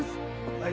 はい。